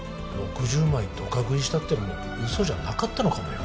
６０枚どか食いしたってのも嘘じゃなかったのかもよ。